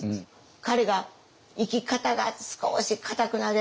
彼が生き方が少しかたくなで。